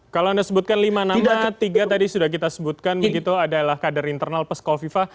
kalau anda sebutkan lima nama tiga tadi sudah kita sebutkan begitu adalah kader internal peskow viva